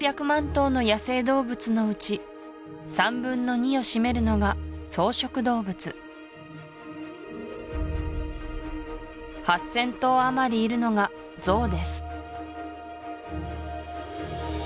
頭の野生動物のうち３分の２を占めるのが草食動物８０００頭余りいるのがゾウです